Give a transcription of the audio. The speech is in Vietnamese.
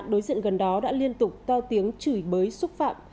đối diện gần đó đã liên tục to tiếng chửi bới xúc phạm